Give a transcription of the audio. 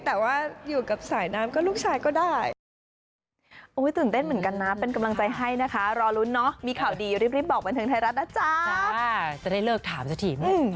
แต่ว่าอยู่กับสายน้ำก็ลูกชายก็ได้